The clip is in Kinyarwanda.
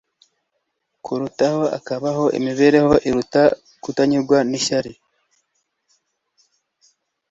kurutaho akabaho imibereho iruta kutanyurwa n’ishyari.